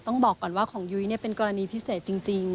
ต้องบอกก่อนว่าของยุ้ยเป็นกรณีพิเศษจริง